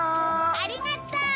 ありがとう！